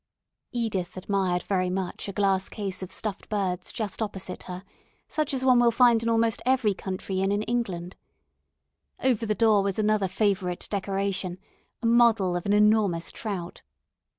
Edith admired very much a glass case of stuffed birds just opposite her, such as one will find in almost every country inn in England. Over the door was another favourite decoration, a model of an enormous trout.